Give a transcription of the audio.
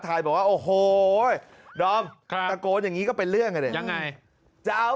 ทายบอกว่าโอ้โหดอมตะโกนอย่างนี้ก็เป็นเรื่องเลยยังไงจะเอา